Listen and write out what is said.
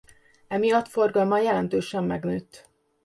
Emiatt forgalma jelentősen megnőtt.